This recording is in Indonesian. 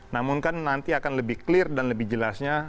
namun kan nanti akan lebih clear dan lebih jelasnya